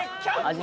味